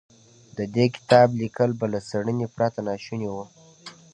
د دې کتاب ليکل به له څېړنې پرته ناشوني و.